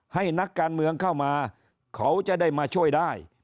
ให้นักการเมืองเข้ามาเขาจะได้มาช่วยได้